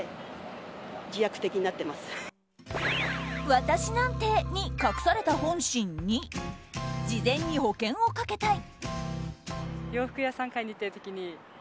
私なんてに隠された本心２事前に保険をかけたい。